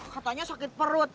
katanya sakit perut